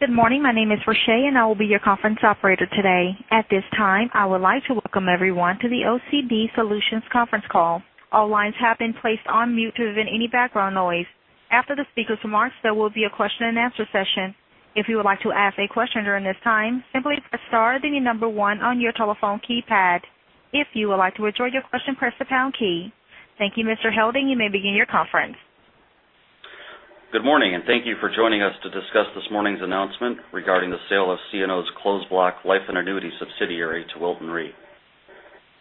Good morning. My name is Rochelle, and I will be your conference operator today. At this time, I would like to welcome everyone to the CNO Solutions conference call. All lines have been placed on mute to prevent any background noise. After the speaker's remarks, there will be a question-and-answer session. If you would like to ask a question during this time, simply press star, then the number one on your telephone keypad. If you would like to withdraw your question, press the pound key. Thank you, Mr. Helding. You may begin your conference. Good morning. Thank you for joining us to discuss this morning's announcement regarding the sale of CNO's Closed Block Life & Annuity subsidiary to Wilton Re.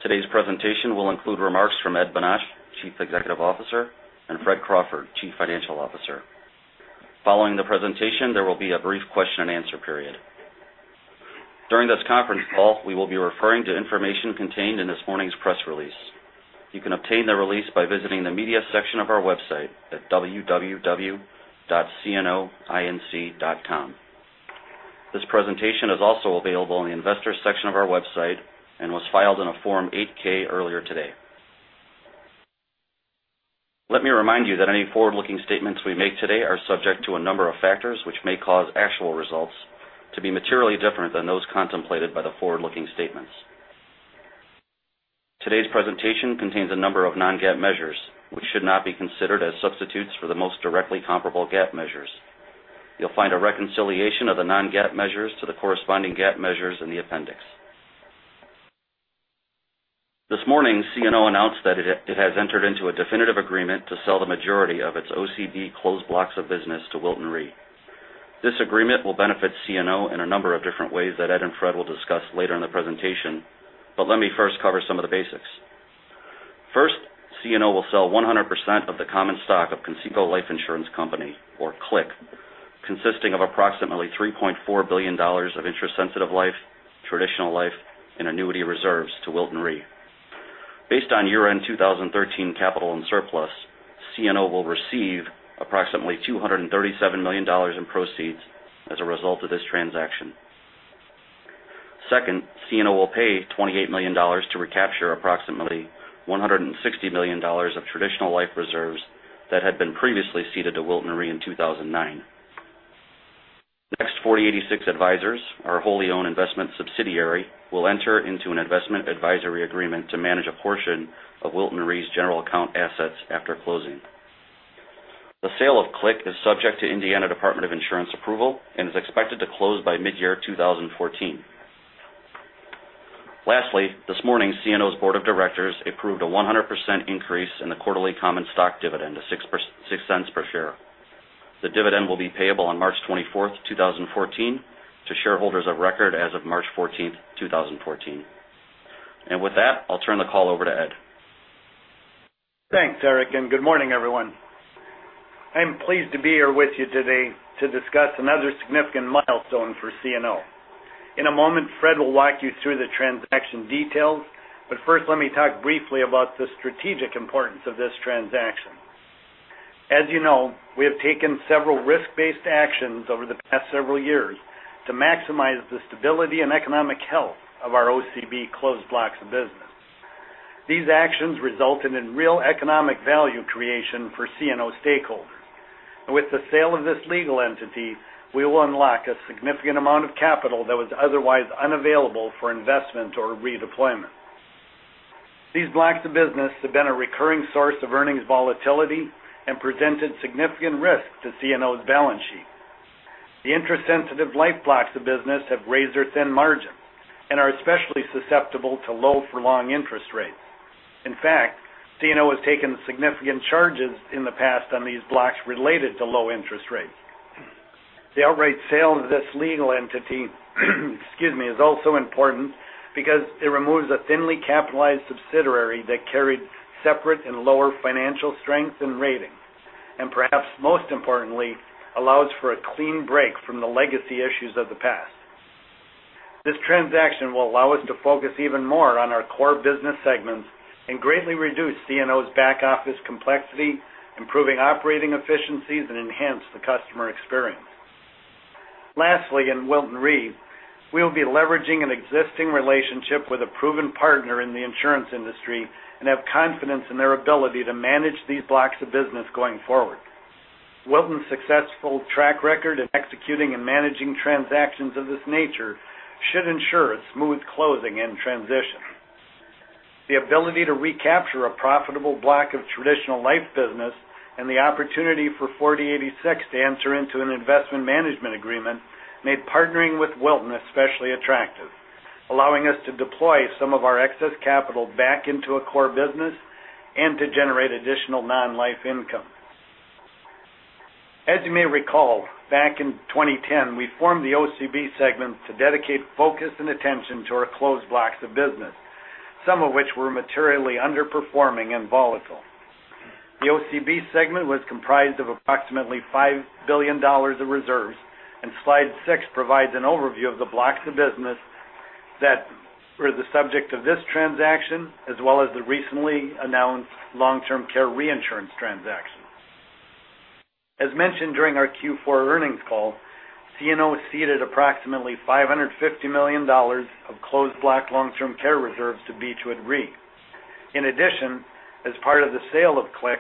Today's presentation will include remarks from Ed Bonach, Chief Executive Officer, and Fred Crawford, Chief Financial Officer. Following the presentation, there will be a brief question-and-answer period. During this conference call, we will be referring to information contained in this morning's press release. You can obtain the release by visiting the media section of our website at www.cnoinc.com. This presentation is also available in the investors section of our website and was filed in a Form 8-K earlier today. Let me remind you that any forward-looking statements we make today are subject to a number of factors which may cause actual results to be materially different than those contemplated by the forward-looking statements. Today's presentation contains a number of non-GAAP measures, which should not be considered as substitutes for the most directly comparable GAAP measures. You'll find a reconciliation of the non-GAAP measures to the corresponding GAAP measures in the appendix. This morning, CNO announced that it has entered into a definitive agreement to sell the majority of its OCB closed blocks of business to Wilton Re. This agreement will benefit CNO in a number of different ways that Ed and Fred will discuss later in the presentation. Let me first cover some of the basics. First, CNO will sell 100% of the common stock of Conseco Life Insurance Company, or CLIC, consisting of approximately $3.4 billion of interest-sensitive life, traditional life, and annuity reserves to Wilton Re. Based on year-end 2013 capital and surplus, CNO will receive approximately $237 million in proceeds as a result of this transaction. Second, CNO will pay $28 million to recapture approximately $160 million of traditional life reserves that had been previously ceded to Wilton Re in 2009. Next, 40|86 Advisors, our wholly-owned investment subsidiary, will enter into an investment advisory agreement to manage a portion of Wilton Re's general account assets after closing. The sale of CLIC is subject to Indiana Department of Insurance approval and is expected to close by mid-year 2014. Lastly, this morning, CNO's board of directors approved a 100% increase in the quarterly common stock dividend to $0.06 per share. The dividend will be payable on March 24, 2014, to shareholders of record as of March 14, 2014. With that, I'll turn the call over to Ed. Thanks, Erik, good morning, everyone. I'm pleased to be here with you today to discuss another significant milestone for CNO. In a moment, Fred will walk you through the transaction details, first, let me talk briefly about the strategic importance of this transaction. As you know, we have taken several risk-based actions over the past several years to maximize the stability and economic health of our OCB closed blocks of business. These actions resulted in real economic value creation for CNO stakeholders. With the sale of this legal entity, we will unlock a significant amount of capital that was otherwise unavailable for investment or redeployment. These blocks of business have been a recurring source of earnings volatility and presented significant risk to CNO's balance sheet. The interest-sensitive life blocks of business have razor-thin margins and are especially susceptible to low for long interest rates. In fact, CNO has taken significant charges in the past on these blocks related to low interest rates. The outright sale of this legal entity, excuse me, is also important because it removes a thinly capitalized subsidiary that carried separate and lower financial strength and ratings, perhaps most importantly, allows for a clean break from the legacy issues of the past. This transaction will allow us to focus even more on our core business segments and greatly reduce CNO's back office complexity, improving operating efficiencies, enhance the customer experience. Lastly, in Wilton Re, we will be leveraging an existing relationship with a proven partner in the insurance industry and have confidence in their ability to manage these blocks of business going forward. Wilton's successful track record in executing and managing transactions of this nature should ensure a smooth closing and transition. The ability to recapture a profitable block of traditional life business and the opportunity for 40|86 to enter into an investment management agreement made partnering with Wilton especially attractive, allowing us to deploy some of our excess capital back into a core business and to generate additional non-life income. As you may recall, back in 2010, we formed the OCB segment to dedicate focus and attention to our closed blocks of business, some of which were materially underperforming and volatile. The OCB segment was comprised of approximately $5 billion of reserves, slide six provides an overview of the blocks of business that were the subject of this transaction, as well as the recently announced long-term care reinsurance transaction. As mentioned during our Q4 earnings call, CNO ceded approximately $550 million of closed block long-term care reserves to Beechwood Re. As part of the sale of CLIC,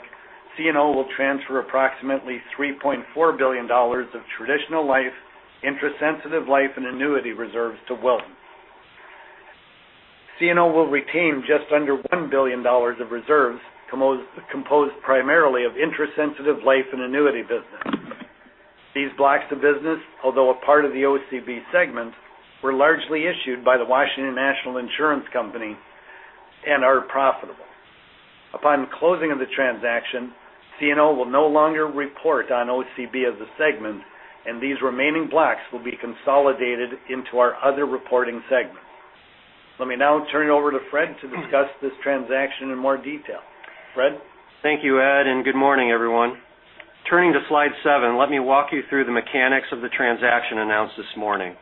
CNO will transfer approximately $3.4 billion of traditional life, interest-sensitive life, and annuity reserves to Wilton. CNO will retain just under $1 billion of reserves composed primarily of interest-sensitive life and annuity business. These blocks of business, although a part of the OCB segment, were largely issued by the Washington National Insurance Company and are profitable. Upon the closing of the transaction, CNO will no longer report on OCB as a segment, and these remaining blocks will be consolidated into our other reporting segment. Let me now turn it over to Fred to discuss this transaction in more detail. Fred. Thank you, Ed, and good morning, everyone. Turning to slide seven, let me walk you through the mechanics of the transaction announced this morning.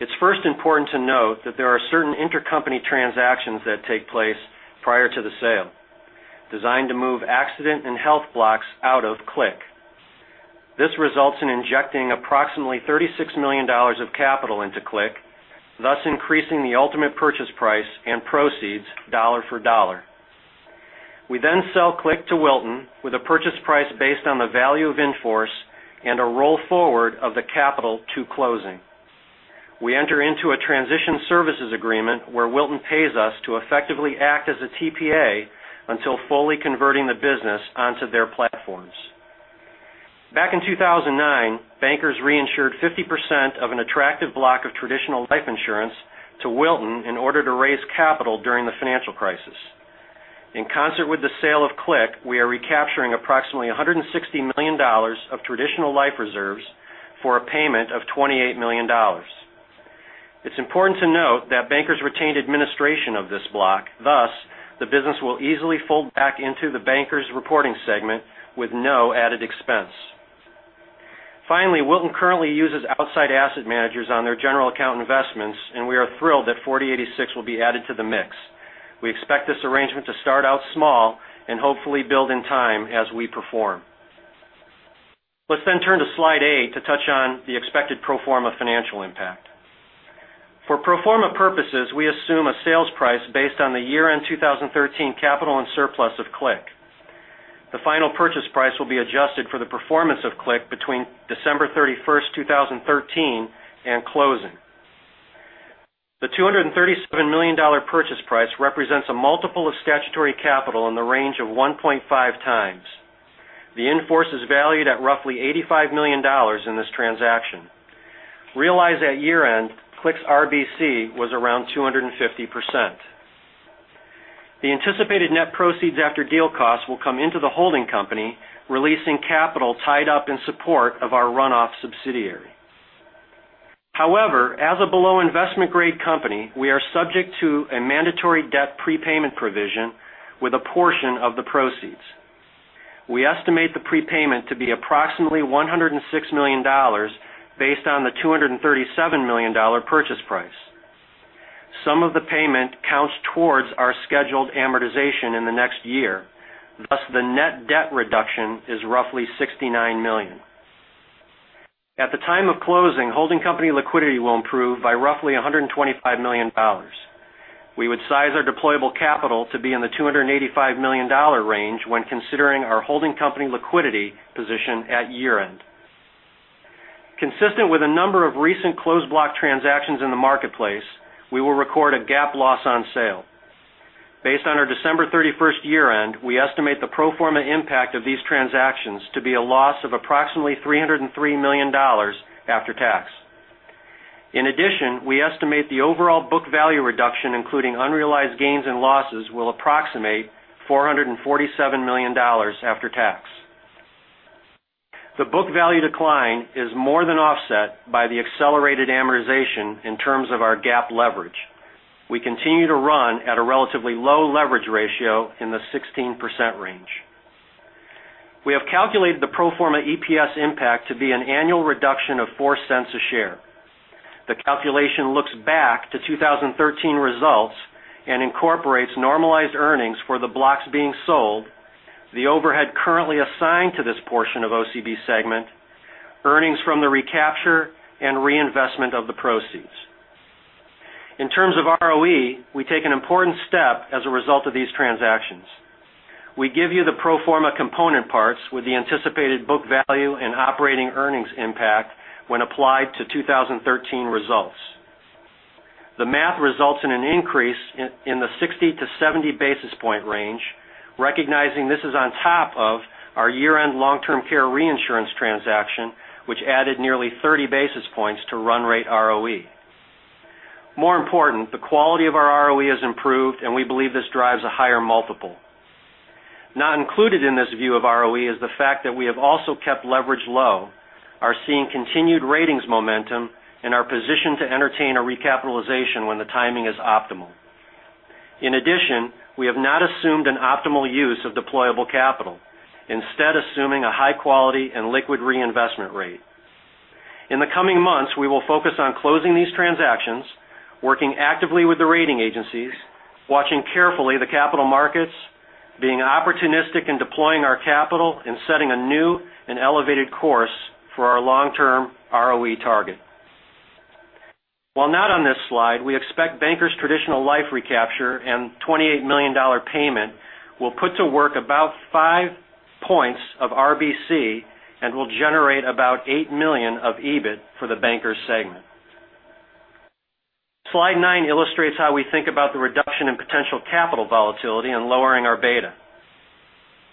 It's first important to note that there are certain intercompany transactions that take place prior to the sale, designed to move accident and health blocks out of CLIC. This results in injecting approximately $36 million of capital into CLIC, thus increasing the ultimate purchase price and proceeds dollar for dollar. We then sell CLIC to Wilton with a purchase price based on the value of in-force and a roll forward of the capital to closing. We enter into a transition services agreement where Wilton pays us to effectively act as a TPA until fully converting the business onto their platforms. Back in 2009, Bankers reinsured 50% of an attractive block of traditional life insurance to Wilton in order to raise capital during the financial crisis. In concert with the sale of CLIC, we are recapturing approximately $160 million of traditional life reserves for a payment of $28 million. It's important to note that Bankers retained administration of this block, thus, the business will easily fold back into the Bankers reporting segment with no added expense. Wilton currently uses outside asset managers on their general account investments, and we are thrilled that 40|86 will be added to the mix. We expect this arrangement to start out small and hopefully build in time as we perform. Let's then turn to slide eight to touch on the expected pro forma financial impact. For pro forma purposes, we assume a sales price based on the year-end 2013 capital and surplus of CLIC. The final purchase price will be adjusted for the performance of CLIC between December 31st, 2013, and closing. The $237 million purchase price represents a multiple of statutory capital in the range of 1.5 times. The in-force is valued at roughly $85 million in this transaction. Realized at year-end, CLIC's RBC was around 250%. The anticipated net proceeds after deal costs will come into the holding company, releasing capital tied up in support of our runoff subsidiary. As a below investment-grade company, we are subject to a mandatory debt prepayment provision with a portion of the proceeds. We estimate the prepayment to be approximately $106 million based on the $237 million purchase price. Some of the payment counts towards our scheduled amortization in the next year. The net debt reduction is roughly $69 million. At the time of closing, holding company liquidity will improve by roughly $125 million. We would size our deployable capital to be in the $285 million range when considering our holding company liquidity position at year-end. Consistent with a number of recent closed block transactions in the marketplace, we will record a GAAP loss on sale. Based on our December 31st year-end, we estimate the pro forma impact of these transactions to be a loss of approximately $303 million after tax. In addition, we estimate the overall book value reduction, including unrealized gains and losses, will approximate $447 million after tax. The book value decline is more than offset by the accelerated amortization in terms of our GAAP leverage. We continue to run at a relatively low leverage ratio in the 16% range. We have calculated the pro forma EPS impact to be an annual reduction of $0.04 a share. The calculation looks back to 2013 results and incorporates normalized earnings for the blocks being sold, the overhead currently assigned to this portion of OCB segment, earnings from the recapture, and reinvestment of the proceeds. In terms of ROE, we take an important step as a result of these transactions. We give you the pro forma component parts with the anticipated book value and operating earnings impact when applied to 2013 results. The math results in an increase in the 60-70 basis point range, recognizing this is on top of our year-end long-term care reinsurance transaction, which added nearly 30 basis points to run rate ROE. More important, the quality of our ROE has improved, and we believe this drives a higher multiple. Not included in this view of ROE is the fact that we have also kept leverage low, are seeing continued ratings momentum, and are positioned to entertain a recapitalization when the timing is optimal. In addition, we have not assumed an optimal use of deployable capital, instead assuming a high quality and liquid reinvestment rate. In the coming months, we will focus on closing these transactions, working actively with the rating agencies, watching carefully the capital markets, being opportunistic in deploying our capital, and setting a new and elevated course for our long-term ROE target. While not on this slide, we expect Bankers traditional life recapture and $28 million payment will put to work about five points of RBC and will generate about $8 million of EBIT for the Bankers segment. Slide nine illustrates how we think about the reduction in potential capital volatility and lowering our beta.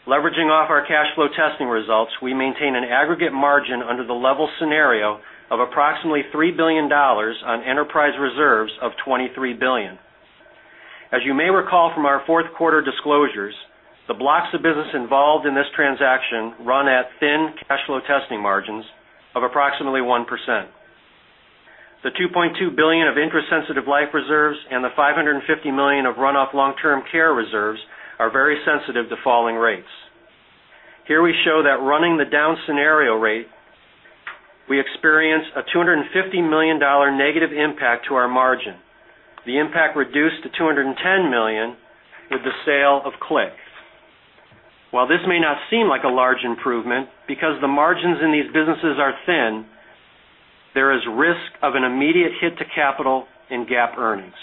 Leveraging off our cash flow testing results, we maintain an aggregate margin under the level scenario of approximately $3 billion on enterprise reserves of $23 billion. As you may recall from our fourth quarter disclosures, the blocks of business involved in this transaction run at thin cash flow testing margins of approximately 1%. The $2.2 billion of interest-sensitive life reserves and the $550 million of runoff long-term care reserves are very sensitive to falling rates. Here we show that running the down scenario rate, we experience a $250 million negative impact to our margin. The impact reduced to $210 million with the sale of CLIC. While this may not seem like a large improvement, because the margins in these businesses are thin, there is risk of an immediate hit to capital in GAAP earnings.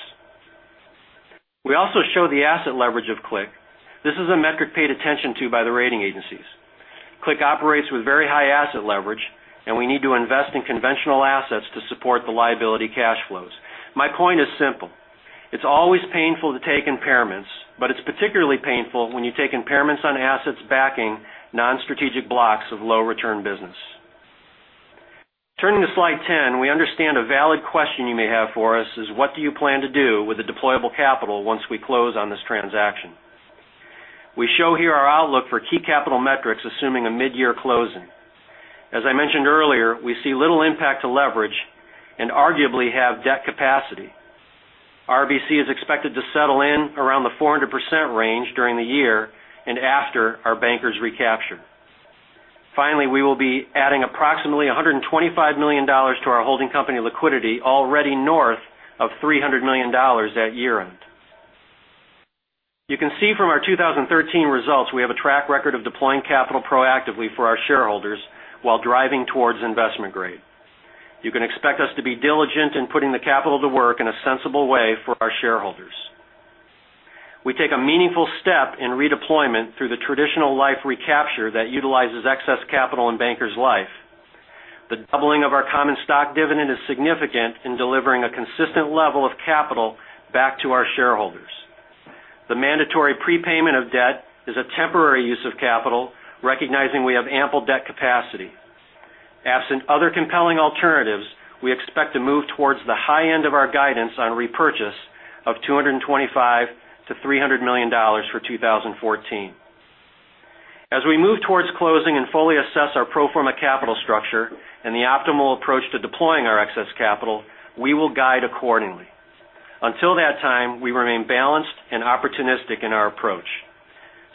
We also show the asset leverage of CLIC. This is a metric paid attention to by the rating agencies. CLIC operates with very high asset leverage, and we need to invest in conventional assets to support the liability cash flows. My point is simple. It is always painful to take impairments, but it is particularly painful when you take impairments on assets backing non-strategic blocks of low return business. Turning to slide 10, we understand a valid question you may have for us is what do you plan to do with the deployable capital once we close on this transaction? We show here our outlook for key capital metrics, assuming a mid-year closing. As I mentioned earlier, we see little impact to leverage and arguably have debt capacity. RBC is expected to settle in around the 400% range during the year and after our Bankers recapture. We will be adding approximately $125 million to our holding company liquidity already north of $300 million at year-end. You can see from our 2013 results, we have a track record of deploying capital proactively for our shareholders while driving towards investment grade. You can expect us to be diligent in putting the capital to work in a sensible way for our shareholders. We take a meaningful step in redeployment through the traditional life recapture that utilizes excess capital in Bankers Life. The doubling of our common stock dividend is significant in delivering a consistent level of capital back to our shareholders. The mandatory prepayment of debt is a temporary use of capital, recognizing we have ample debt capacity. Absent other compelling alternatives, we expect to move towards the high end of our guidance on repurchase of $225 million-$300 million for 2014. As we move towards closing and fully assess our pro forma capital structure and the optimal approach to deploying our excess capital, we will guide accordingly. Until that time, we remain balanced and opportunistic in our approach.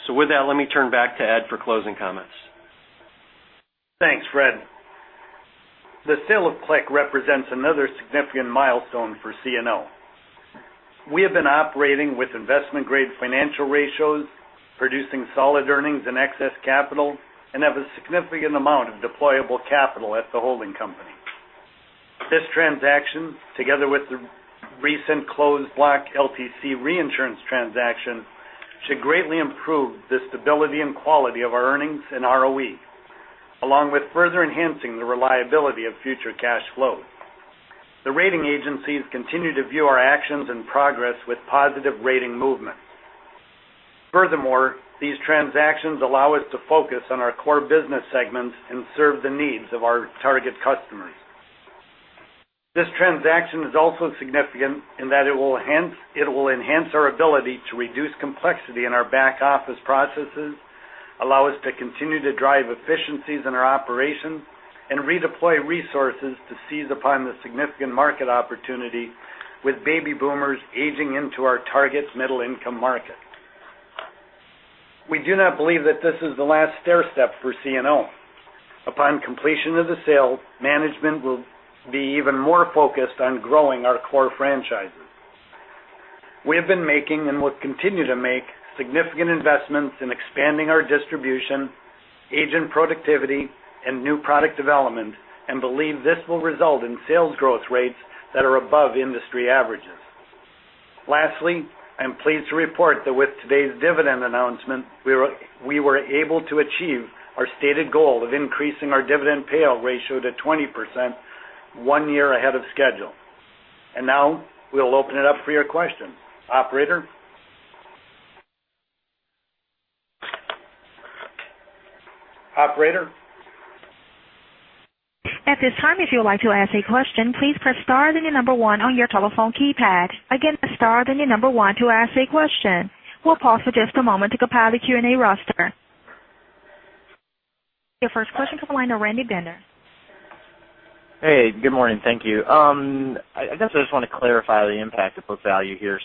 With that, let me turn back to Ed for closing comments. Thanks, Fred. The sale of CLIC represents another significant milestone for CNO. We have been operating with investment-grade financial ratios, producing solid earnings and excess capital and have a significant amount of deployable capital at the holding company. This transaction, together with the recent closed block LTC reinsurance transaction, should greatly improve the stability and quality of our earnings and ROE, along with further enhancing the reliability of future cash flow. The rating agencies continue to view our actions and progress with positive rating movement. These transactions allow us to focus on our core business segments and serve the needs of our target customers. This transaction is also significant in that it will enhance our ability to reduce complexity in our back-office processes, allow us to continue to drive efficiencies in our operations, and redeploy resources to seize upon the significant market opportunity with baby boomers aging into our target middle-income market. We do not believe that this is the last stair step for CNO. Upon completion of the sale, management will be even more focused on growing our core franchises. We have been making and will continue to make significant investments in expanding our distribution, agent productivity, and new product development and believe this will result in sales growth rates that are above industry averages. Lastly, I'm pleased to report that with today's dividend announcement, we were able to achieve our stated goal of increasing our dividend payout ratio to 20%, one year ahead of schedule. Now we'll open it up for your questions. Operator? Operator? At this time, if you would like to ask a question, please press star, then the number one on your telephone keypad. Again, press star, then the number one to ask a question. We'll pause for just a moment to compile the Q&A roster. Your first question from the line of Randy Binner. Hey, good morning. Thank you. I guess I just want to clarify the impact of book value here.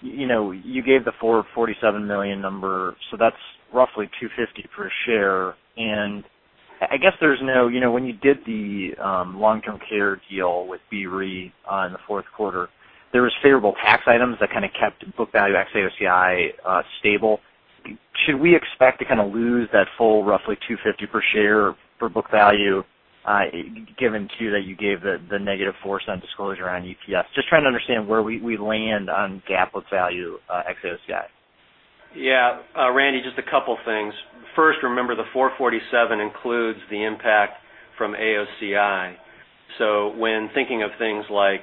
You gave the $447 million number, so that's roughly $2.50 per share, and I guess there's no when you did the long-term care deal with Beechwood Re on the fourth quarter, there was favorable tax items that kind of kept book value ex AOCI stable. Should we expect to kind of lose that full roughly $2.50 per share, per book value, given too that you gave the negative $0.04 disclosure on EPS? Just trying to understand where we land on GAAP book value ex OCI. Yeah. Randy, just a couple things. First, remember the $447 includes the impact from AOCI. When thinking of things like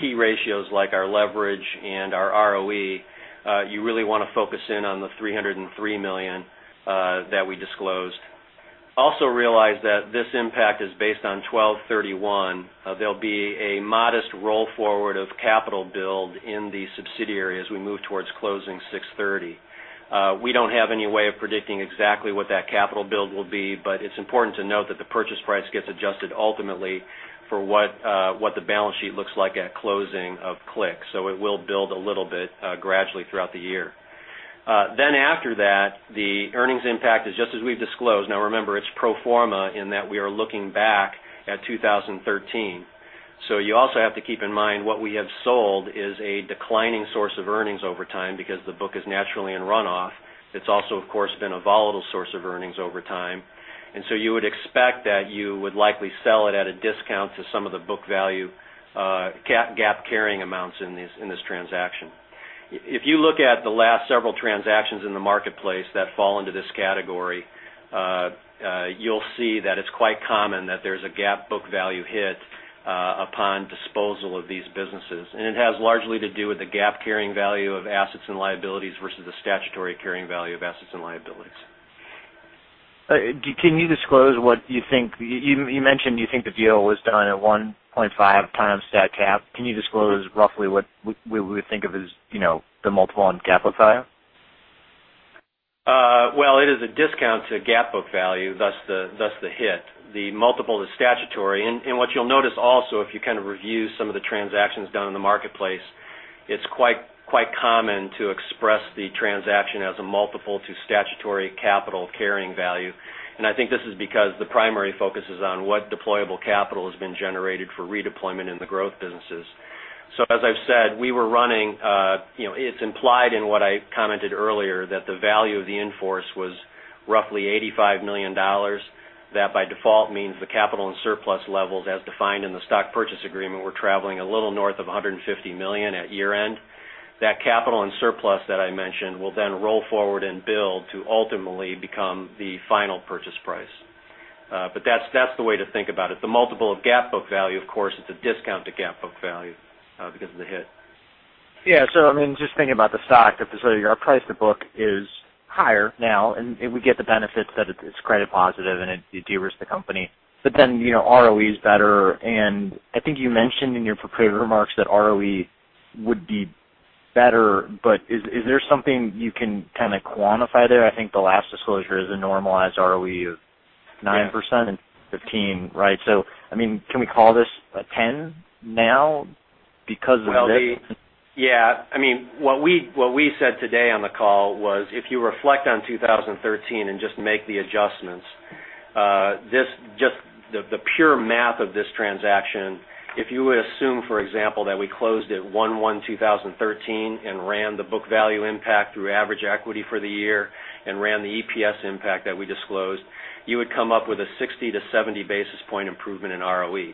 key ratios, like our leverage and our ROE, you really want to focus in on the $303 million that we disclosed. Also realize that this impact is based on 12/31. There will be a modest roll forward of capital build in the subsidiary as we move towards closing 6/30. We don't have any way of predicting exactly what that capital build will be, but it's important to note that the purchase price gets adjusted ultimately for what the balance sheet looks like at closing of CLIC. It will build a little bit gradually throughout the year. After that, the earnings impact is just as we've disclosed. Remember, it's pro forma in that we are looking back at 2013. You also have to keep in mind what we have sold is a declining source of earnings over time because the book is naturally in runoff. It's also, of course, been a volatile source of earnings over time. You would expect that you would likely sell it at a discount to some of the book value GAAP carrying amounts in this transaction. If you look at the last several transactions in the marketplace that fall into this category, you will see that it's quite common that there's a GAAP book value hit upon disposal of these businesses. It has largely to do with the GAAP carrying value of assets and liabilities versus the statutory carrying value of assets and liabilities. Can you disclose what you think? You mentioned you think the deal was done at 1.5x stat cap. Can you disclose roughly what we would think of as the multiple on GAAP book value? It is a discount to GAAP book value, thus the hit. The multiple to statutory. What you will notice also, if you kind of review some of the transactions done in the marketplace, it's quite common to express the transaction as a multiple to statutory capital carrying value. I think this is because the primary focus is on what deployable capital has been generated for redeployment in the growth businesses. As I've said, it's implied in what I commented earlier that the value of the in-force was roughly $85 million. That by default means the capital and surplus levels as defined in the stock purchase agreement were traveling a little north of $150 million at year-end. That capital and surplus that I mentioned will roll forward and build to ultimately become the final purchase price. That's the way to think about it. The multiple of GAAP book value, of course, is a discount to GAAP book value because of the hit. Yeah. Just thinking about the stock, our price to book is higher now, and we get the benefits that it's credit positive and it de-risks the company. ROE is better, and I think you mentioned in your prepared remarks that ROE would be better, but is there something you can kind of quantify there? I think the last disclosure is a normalized ROE of 9% in 2015, right? Can we call this a 10% now because of this? Yeah. What we said today on the call was if you reflect on 2013 and just make the adjustments, just the pure math of this transaction, if you would assume, for example, that we closed at 1/1/2013 and ran the book value impact through average equity for the year and ran the EPS impact that we disclosed, you would come up with a 60 to 70 basis point improvement in ROE.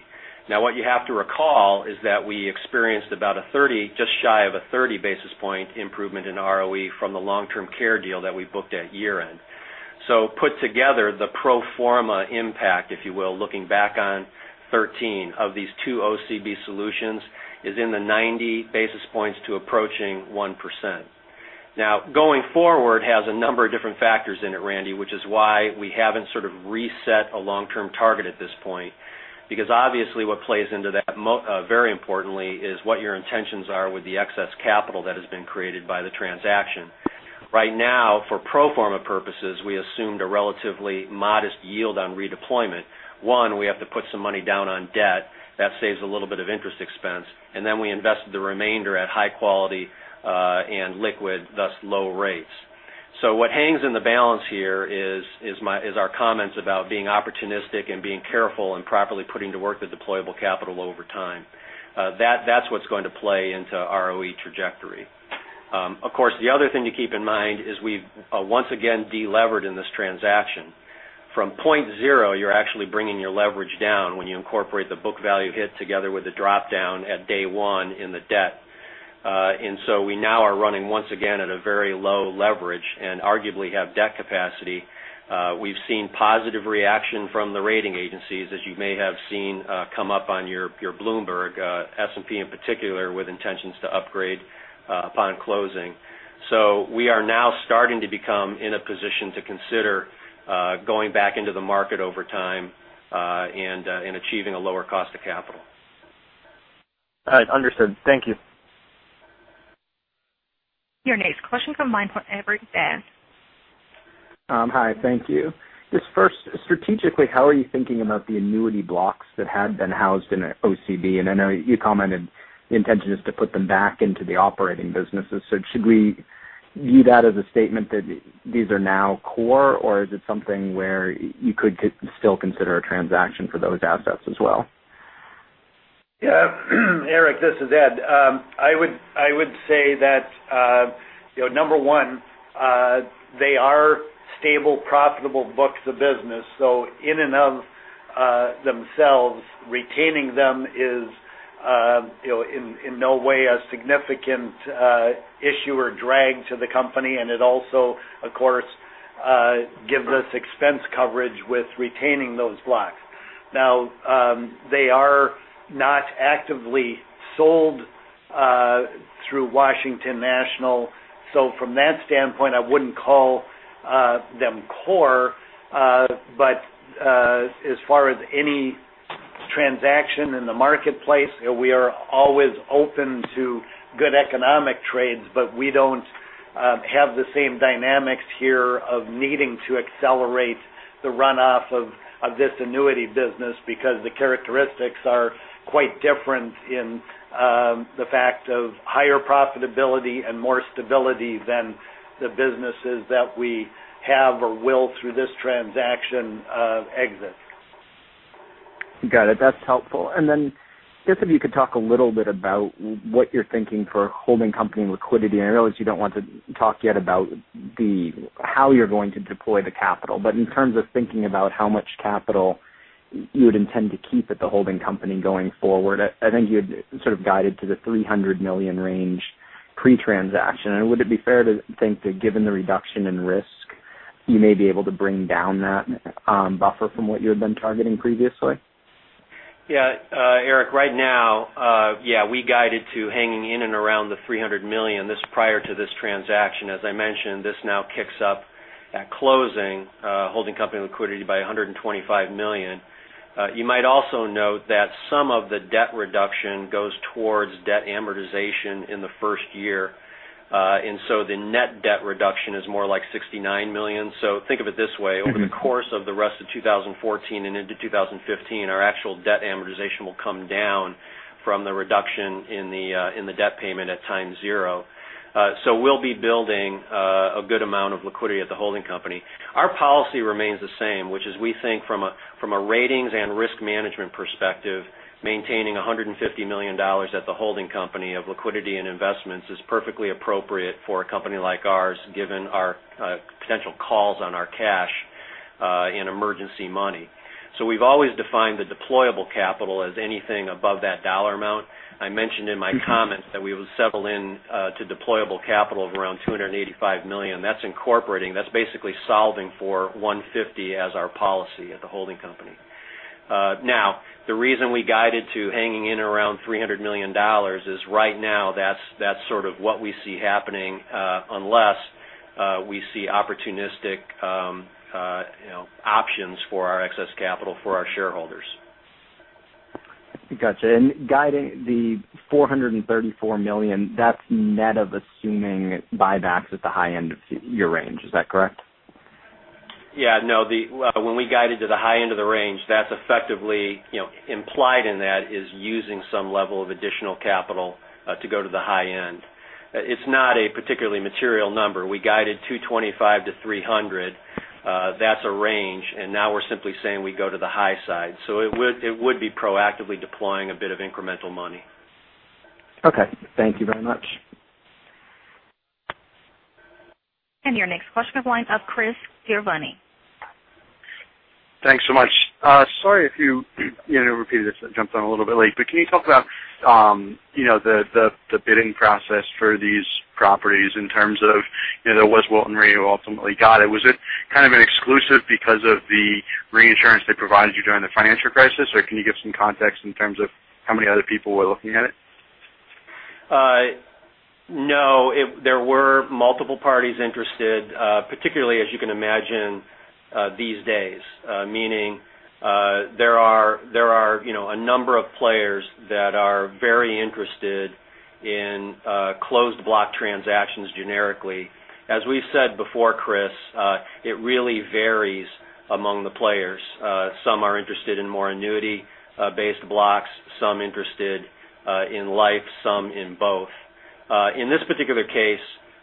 What you have to recall is that we experienced just shy of a 30 basis point improvement in ROE from the long-term care deal that we booked at year-end. Put together the pro forma impact, if you will, looking back on 2013 of these two OCB solutions is in the 90 basis points to approaching 1 percentage point. Going forward has a number of different factors in it, Randy, which is why we haven't sort of reset a long-term target at this point. Obviously what plays into that very importantly is what your intentions are with the excess capital that has been created by the transaction. Right now, for pro forma purposes, we assumed a relatively modest yield on redeployment. One, we have to put some money down on debt. That saves a little bit of interest expense. We invested the remainder at high quality and liquid, thus low rates. What hangs in the balance here is our comments about being opportunistic and being careful and properly putting to work the deployable capital over time. That's what's going to play into ROE trajectory. Of course, the other thing to keep in mind is we've once again de-levered in this transaction. From point zero, you're actually bringing your leverage down when you incorporate the book value hit together with the drop-down at day one in the debt. We now are running once again at a very low leverage and arguably have debt capacity. We've seen positive reaction from the rating agencies, as you may have seen come up on your Bloomberg, S&P in particular, with intentions to upgrade upon closing. We are now starting to become in a position to consider going back into the market over time and achieving a lower cost of capital. All right. Understood. Thank you. Your next question comes online from Avery. Hi. Thank you. Just first, strategically, how are you thinking about the annuity blocks that had been housed in OCB? I know you commented the intention is to put them back into the operating businesses. Should we view that as a statement that these are now core, or is it something where you could still consider a transaction for those assets as well? Yeah. Erik, this is Ed. I would say that, number one, they are stable, profitable books of business. In and of themselves, retaining them is in no way a significant issue or drag to the company, and it also, of course, gives us expense coverage with retaining those blocks. They are not actively sold through Washington National, so from that standpoint, I wouldn't call them core. As far as any transaction in the marketplace, we are always open to good economic trades, we don't have the same dynamics here of needing to accelerate the runoff of this annuity business because the characteristics are quite different in the fact of higher profitability and more stability than the businesses that we have or will, through this transaction, exit. Got it. That's helpful. Then just if you could talk a little bit about what you're thinking for holding company liquidity. I realize you don't want to talk yet about how you're going to deploy the capital. In terms of thinking about how much capital you would intend to keep at the holding company going forward, I think you had sort of guided to the $300 million range pre-transaction. Would it be fair to think that given the reduction in risk, you may be able to bring down that buffer from what you had been targeting previously? Yeah. Erik, right now, we guided to hanging in and around the $300 million. This is prior to this transaction. As I mentioned, this now kicks up at closing, holding company liquidity by $125 million. You might also note that some of the debt reduction goes towards debt amortization in the first year. The net debt reduction is more like $69 million. Think of it this way. Over the course of the rest of 2014 and into 2015, our actual debt amortization will come down from the reduction in the debt payment at time zero. We'll be building a good amount of liquidity at the holding company. Our policy remains the same, which is we think from a ratings and risk management perspective, maintaining $150 million at the holding company of liquidity and investments is perfectly appropriate for a company like ours, given our potential calls on our cash in emergency money. We've always defined the deployable capital as anything above that dollar amount. I mentioned in my comments that we would settle in to deployable capital of around $285 million. That's incorporating, that's basically solving for $150 as our policy at the holding company. The reason we guided to hanging in around $300 million is right now, that's sort of what we see happening, unless we see opportunistic options for our excess capital for our shareholders. Got you. Guiding the $434 million, that's net of assuming buybacks at the high end of your range. Is that correct? Yeah, no. When we guided to the high end of the range, that's effectively implied in that is using some level of additional capital to go to the high end. It's not a particularly material number. We guided $225 million-$300 million. That's a range. Now we're simply saying we go to the high side. It would be proactively deploying a bit of incremental money. Okay. Thank you very much. Your next question comes from the line of Chris Giovanni. Thanks so much. Sorry if you repeated this. I jumped on a little bit late. Can you talk about the bidding process for these properties in terms of, there was Wilton Re who ultimately got it. Was it kind of an exclusive because of the reinsurance they provided you during the financial crisis, or can you give some context in terms of how many other people were looking at it? No. There were multiple parties interested, particularly as you can imagine these days, meaning there are a number of players that are very interested in closed block transactions generically. As we've said before, Chris, it really varies among the players. Some are interested in more annuity-based blocks, some interested in life, some in both. In this particular case,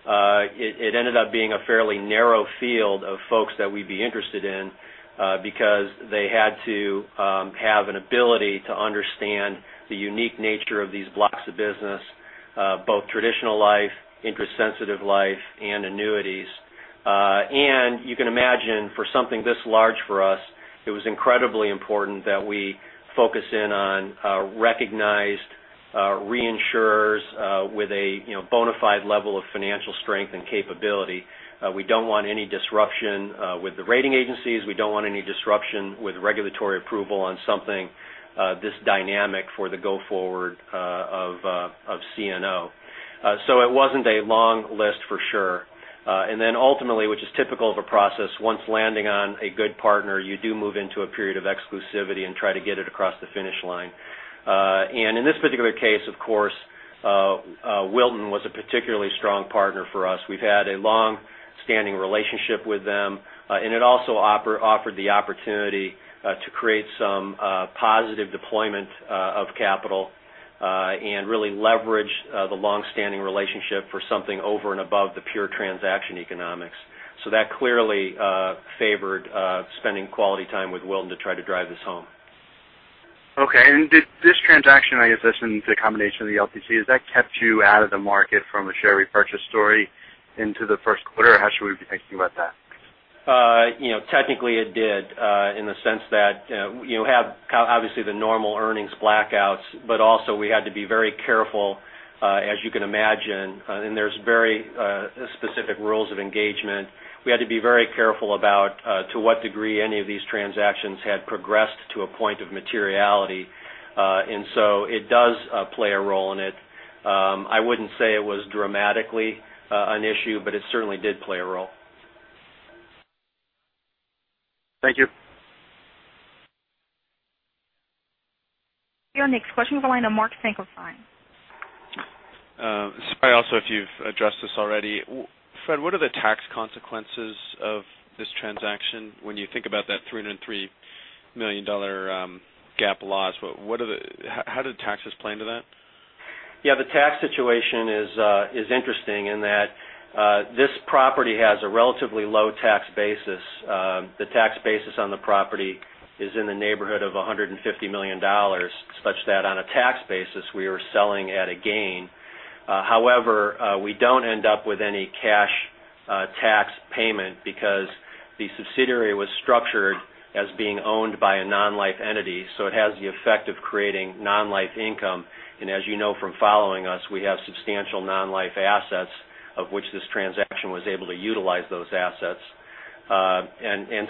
it ended up being a fairly narrow field of folks that we'd be interested in because they had to have an ability to understand the unique nature of these blocks of business, both traditional life, interest-sensitive life, and annuities. You can imagine for something this large for us, it was incredibly important that we focus in on recognized reinsurers with a bona fide level of financial strength and capability. We don't want any disruption with the rating agencies. We don't want any disruption with regulatory approval on something this dynamic for the go forward of CNO. It wasn't a long list for sure. Ultimately, which is typical of a process, once landing on a good partner, you do move into a period of exclusivity and try to get it across the finish line. In this particular case, of course, Wilton was a particularly strong partner for us. We've had a long-standing relationship with them. It also offered the opportunity to create some positive deployment of capital and really leverage the long-standing relationship for something over and above the pure transaction economics. That clearly favored spending quality time with Wilton to try to drive this home. Okay. Did this transaction, I guess this is a combination of the LTC, has that kept you out of the market from a share repurchase story into the first quarter? How should we be thinking about that? Technically it did, in the sense that you have obviously the normal earnings blackouts, but also we had to be very careful, as you can imagine, and there's very specific rules of engagement. We had to be very careful about to what degree any of these transactions had progressed to a point of materiality. It does play a role in it. I wouldn't say it was dramatically an issue, but it certainly did play a role. Thank you. Your next question is on the line of Mark Finkelstein. Sorry, also, if you've addressed this already. Fred, what are the tax consequences of this transaction when you think about that $303 million GAAP loss? How do taxes play into that? Yeah, the tax situation is interesting in that this property has a relatively low tax basis. The tax basis on the property is in the neighborhood of $150 million, such that on a tax basis, we are selling at a gain. However, we don't end up with any cash tax payment because the subsidiary was structured as being owned by a non-life entity. It has the effect of creating non-life income, and as you know from following us, we have substantial non-life assets of which this transaction was able to utilize those assets.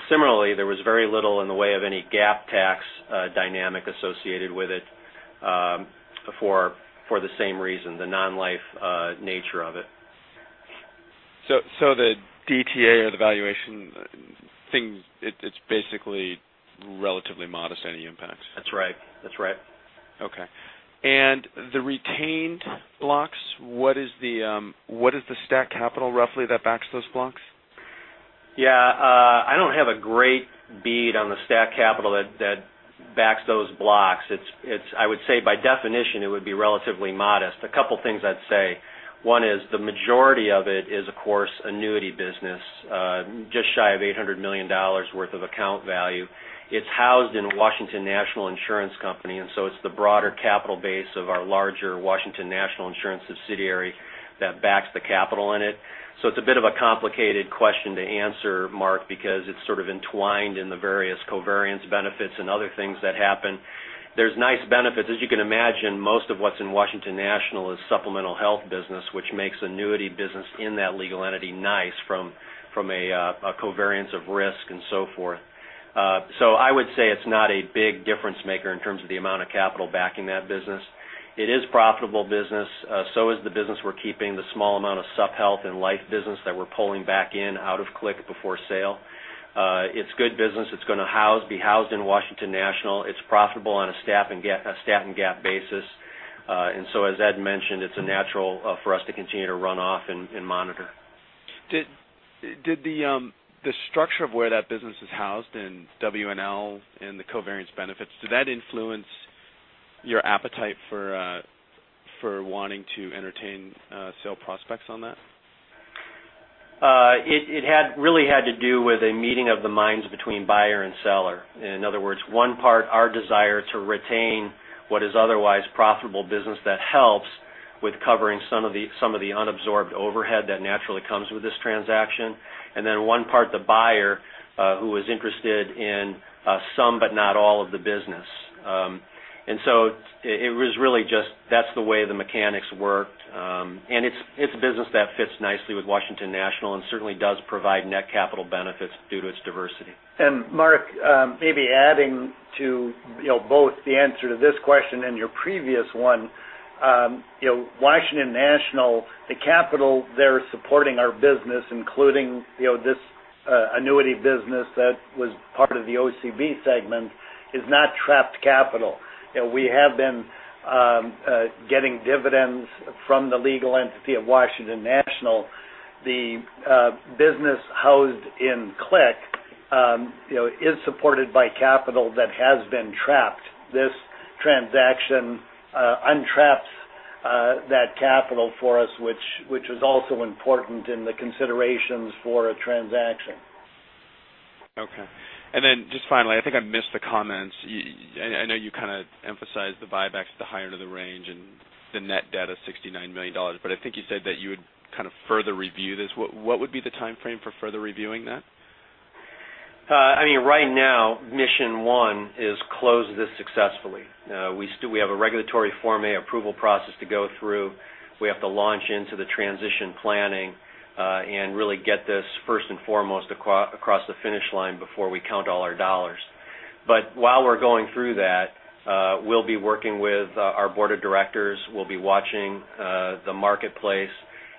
Similarly, there was very little in the way of any GAAP tax dynamic associated with it for the same reason, the non-life nature of it. The DTA or the valuation thing, it's basically relatively modest, any impact? That's right. Okay. The retained blocks, what is the stat capital roughly that backs those blocks? Yeah. I don't have a great bead on the stat capital that backs those blocks. I would say by definition, it would be relatively modest. A couple things I'd say. One is the majority of it is, of course, annuity business, just shy of $800 million worth of account value. It's housed in Washington National Insurance Company, it's the broader capital base of our larger Washington National Insurance subsidiary that backs the capital in it. It's a bit of a complicated question to answer, Mark, because it's sort of entwined in the various covariance benefits and other things that happen. There's nice benefits. As you can imagine, most of what's in Washington National is supplemental health business, which makes annuity business in that legal entity nice from a covariance of risk and so forth. I would say it's not a big difference maker in terms of the amount of capital backing that business. It is profitable business. Is the business we're keeping, the small amount of sub-health and life business that we're pulling back in out of CLIC before sale. It's good business. It's going to be housed in Washington National. It's profitable on a stat and GAAP basis. As Ed mentioned, it's natural for us to continue to run off and monitor. Did the structure of where that business is housed in Washington National and the covariance benefits, did that influence your appetite for wanting to entertain sale prospects on that? It really had to do with a meeting of the minds between buyer and seller. In other words, one part, our desire to retain what is otherwise profitable business that helps with covering some of the unabsorbed overhead that naturally comes with this transaction. One part, the buyer, who was interested in some but not all of the business. It was really just that's the way the mechanics worked. It's a business that fits nicely with Washington National and certainly does provide net capital benefits due to its diversity. Mark, maybe adding to both the answer to this question and your previous one. Washington National, the capital there supporting our business, including this annuity business that was part of the OCB segment, is not trapped capital. We have been getting dividends from the legal entity of Washington National. The business housed in CLIC is supported by capital that has been trapped. This transaction untraps that capital for us, which is also important in the considerations for a transaction. Okay. Just finally, I think I missed the comments. I know you kind of emphasized the buybacks, the higher end of the range and the net debt of $69 million, but I think you said that you would kind of further review this. What would be the timeframe for further reviewing that? Right now, mission one is close this successfully. We have a regulatory Form A approval process to go through. We have to launch into the transition planning, and really get this first and foremost across the finish line before we count all our dollars. While we're going through that, we'll be working with our board of directors, we'll be watching the marketplace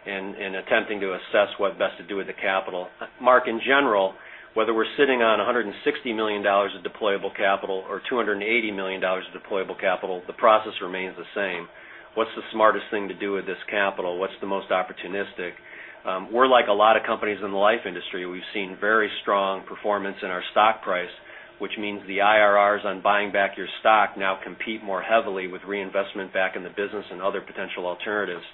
and attempting to assess what best to do with the capital. Mark, in general, whether we're sitting on $160 million of deployable capital or $280 million of deployable capital, the process remains the same. What's the smartest thing to do with this capital? What's the most opportunistic? We're like a lot of companies in the life industry. We've seen very strong performance in our stock price, which means the IRRs on buying back your stock now compete more heavily with reinvestment back in the business and other potential alternatives.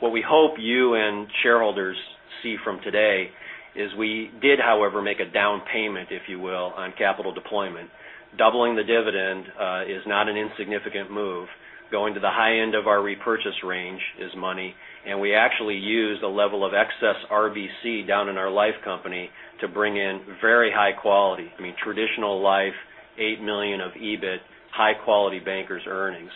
What we hope you and shareholders see from today is we did, however, make a down payment, if you will, on capital deployment. Doubling the dividend is not an insignificant move. Going to the high end of our repurchase range is money, and we actually use the level of excess RBC down in our life company to bring in very high quality, traditional life, $8 million of EBIT, high-quality Bankers' earnings.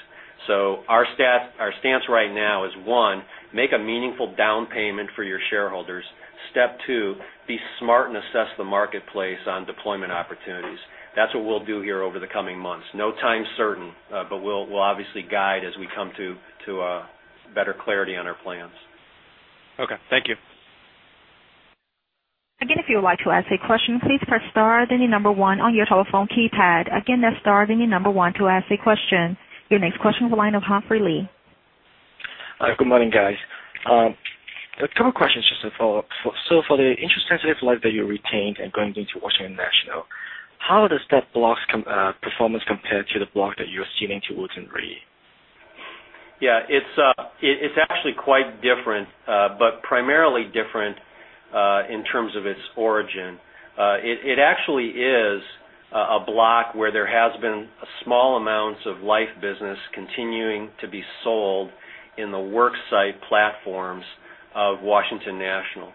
Our stance right now is, one, make a meaningful down payment for your shareholders. Step two, be smart and assess the marketplace on deployment opportunities. That's what we'll do here over the coming months. No time certain, we'll obviously guide as we come to better clarity on our plans. Okay, thank you. If you would like to ask a question, please press star, then the number 1 on your telephone keypad. That's star, then the number 1 to ask a question. Your next question is the line of Humphrey Lee. Good morning, guys. A couple questions just to follow up. For the interest-sensitive life that you retained and going into Washington National, how does that block's performance compare to the block that you're selling to Wilton Re? Yeah, it's actually quite different, but primarily different in terms of its origin. It actually is a block where there has been small amounts of life business continuing to be sold in the worksite platforms of Washington National.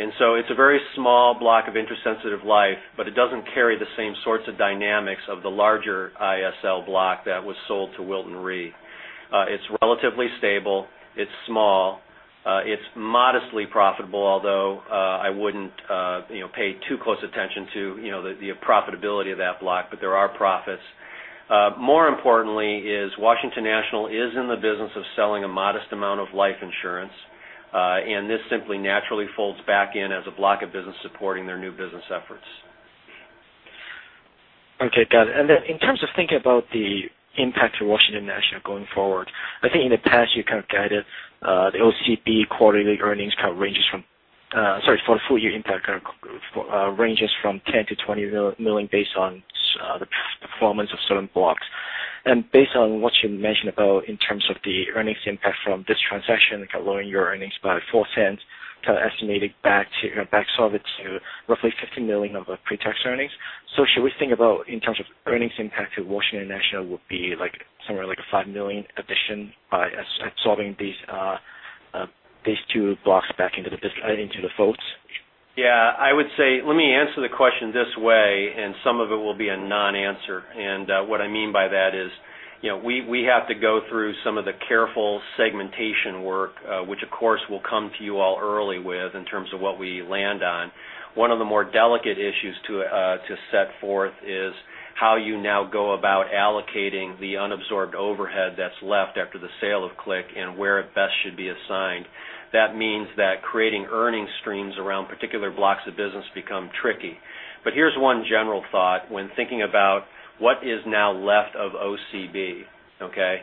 It's a very small block of interest-sensitive life, but it doesn't carry the same sorts of dynamics of the larger ISL block that was sold to Wilton Re. It's relatively stable. It's small. It's modestly profitable, although I wouldn't pay too close attention to the profitability of that block, but there are profits. More importantly is Washington National is in the business of selling a modest amount of life insurance, and this simply naturally folds back in as a block of business supporting their new business efforts. Okay, got it. In terms of thinking about the impact to Washington National going forward, I think in the past, you kind of guided the OCB quarterly earnings kind of ranges from-- sorry, for the full year impact kind of ranges from $10 million-$20 million based on the performance of certain blocks. Based on what you mentioned about in terms of the earnings impact from this transaction, kind of lowering your earnings by $0.04, kind of estimating back solve it to roughly $50 million of pre-tax earnings. Should we think about in terms of earnings impact to Washington National would be somewhere like a $5 million addition by absorbing these two blocks back into the folds? Yeah, I would say let me answer the question this way, some of it will be a non-answer. What I mean by that is we have to go through some of the careful segmentation work, which, of course, we'll come to you all early with in terms of what we land on. One of the more delicate issues to set forth is how you now go about allocating the unabsorbed overhead that's left after the sale of CLIC and where it best should be assigned. That means that creating earning streams around particular blocks of business become tricky. Here's one general thought when thinking about what is now left of OCB, okay?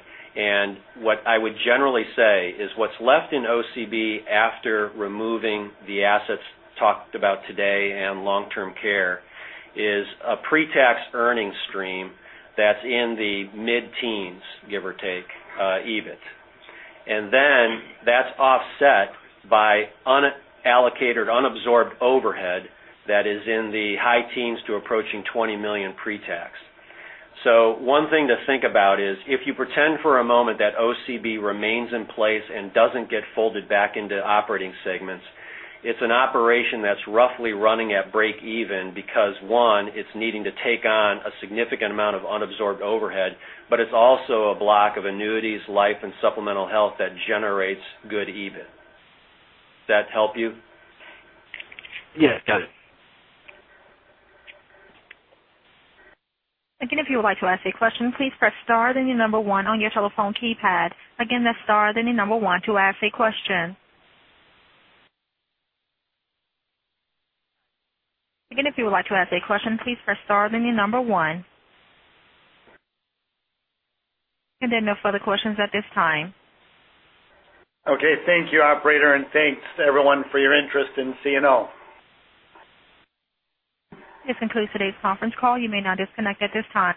What I would generally say is what's left in OCB after removing the assets talked about today and long-term care is a pre-tax earning stream that's in the mid-teens, give or take, EBIT. That's offset by unallocated, unabsorbed overhead that is in the high teens to approaching $20 million pre-tax. One thing to think about is if you pretend for a moment that OCB remains in place and doesn't get folded back into operating segments, it's an operation that's roughly running at break even because, one, it's needing to take on a significant amount of unabsorbed overhead, but it's also a block of annuities, life, and supplemental health that generates good EBIT. That help you? Yes, got it. Again, if you would like to ask a question, please press star, then the number one on your telephone keypad. Again, that's star, then the number one to ask a question. Again, if you would like to ask a question, please press star, then the number one. There are no further questions at this time. Okay. Thank you, operator, and thanks everyone for your interest in CNO. This concludes today's conference call. You may now disconnect at this time.